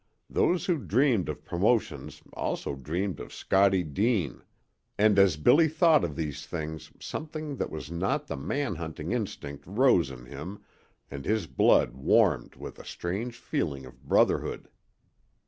Those who dreamed of promotions also dreamed of Scottie Deane; and as Billy thought of these things something that was not the man hunting instinct rose in him and his blood warmed with a strange feeling of brotherhood.